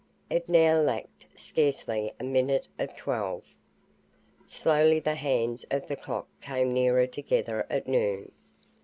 It now lacked scarcely a minute of twelve. Slowly the hands of the clock came nearer together at noon.